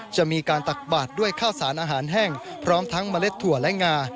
จะมีการตักบาดด้วยข้าวสารอาหารแห้งพร้อมทั้งเมล็ดถั่วและงา